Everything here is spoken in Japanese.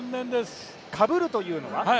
かぶるというのは？